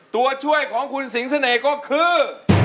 ตัวช่วยของคุณสิงเสน่ห์ก็คือ